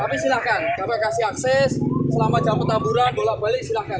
tapi silakan kami kasih akses selama jalan petamburan bolak balik silakan